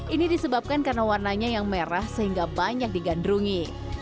ini disebabkan karena warnanya yang merah sehingga banyak digandrungi